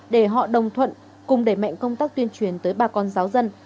để họ đồng thuận cùng đẩy mạnh công tác tuyên truyền tới bà con giáo dân